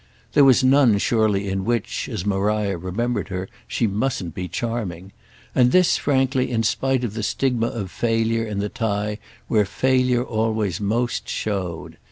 There was none surely in which, as Maria remembered her, she mustn't be charming; and this frankly in spite of the stigma of failure in the tie where failure always most showed.